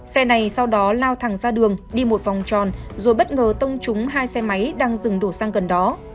xe này sau đó lao thẳng ra đường đi một vòng tròn rồi bất ngờ tông trúng hai xe máy đang dừng đổ sang gần đó